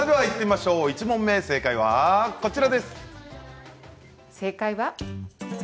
１問目の正解はこちら。